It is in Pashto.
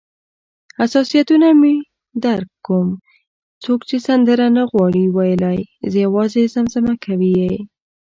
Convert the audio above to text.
حساسیتونه مې درک کوم، څوک چې سندره نه غواړي ویلای، یوازې زمزمه کوي یې.